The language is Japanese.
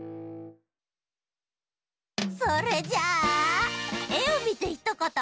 それじゃあ「えをみてひとこと」